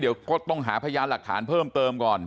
เดี๋ยวก็ต้องหาพยานหลักฐานเพิ่มเติมก่อน